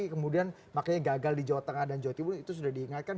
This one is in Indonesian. kemudian makanya gagal di jawa tengah dan jawa timur itu sudah diingatkan